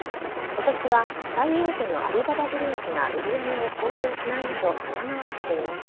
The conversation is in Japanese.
今年は最大手のアリババグループが売り上げを公表しないなど様変わりしています。